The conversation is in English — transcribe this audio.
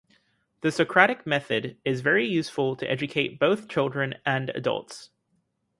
The Socratic Method is very useful to educate both children and adults.